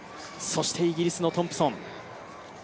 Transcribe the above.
そしてイギリスのトンプソン。